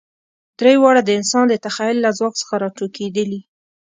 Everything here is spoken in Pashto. درې واړه د انسان د تخیل له ځواک څخه راټوکېدلي.